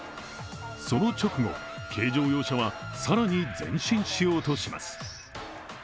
その直後、軽乗用車は更に前進しようとします。